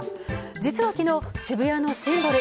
実は昨日、渋谷のシンボル